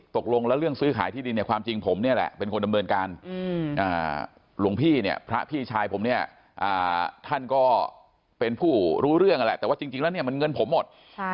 ท่านก็เป็นผู้รู้เรื่องแหละแต่ว่าจริงแล้วเนี่ยมันเงินผมหมด